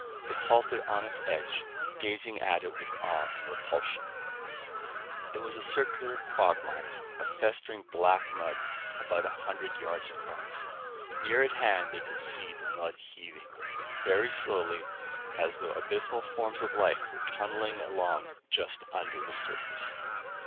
They halted on its edge, gazing at it with awe and repulsion. It was a circular quagmire of festering black mud about a hundred yards across. Near at hand they could see the mud heaving, very slowly, as though abysmal forms of life were tunneling along just under the surface.